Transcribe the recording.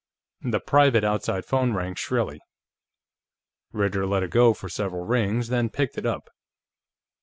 The private outside phone rang shrilly. Ritter let it go for several rings, then picked it up.